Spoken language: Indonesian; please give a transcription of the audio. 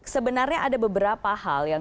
sebenarnya ada beberapa hal yang